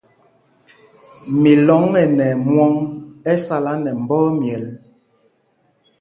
Milɔŋ ɛ nɛ ɛmwɔŋ, ɛ sala nɛ mbɔ ɛmyɛl.